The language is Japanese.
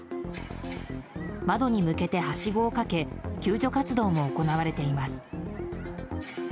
窓に向けてはしごをかけ救助活動も行われています。